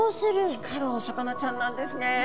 光るお魚ちゃんなんですね。